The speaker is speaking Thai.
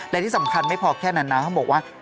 และที่สำคัญไม่พอแค่นั้นนะเขาบอกว่า